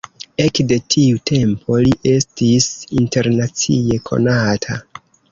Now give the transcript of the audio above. Ekde tiu tempo, li estis internacie konata.